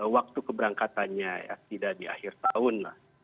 waktu keberangkatannya ya tidak di akhir tahun lah